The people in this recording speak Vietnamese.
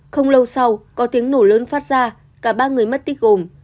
không lâu sau có tiếng nổ lớn phát ra cả ba người mất tích gồm